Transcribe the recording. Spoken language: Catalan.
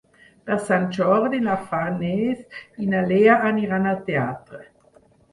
Per Sant Jordi na Farners i na Lea aniran al teatre.